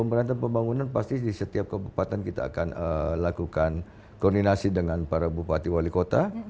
pemberantasan pembangunan pasti di setiap kabupaten kita akan lakukan koordinasi dengan para bupati wali kota